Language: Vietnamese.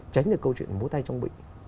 tránh được câu chuyện bố tay trong bệnh